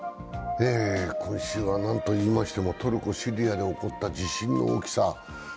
今週は何といいましても、トルコ、シリアで起こった地震の大きさ。